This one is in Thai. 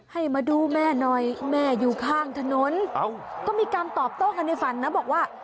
ให้มาดูแม่หน่อยแม่อยู่ข้างถนนก็มีการตอบโต้กันในฝันนะบอกว่า